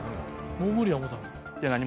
もう無理や思うたのに。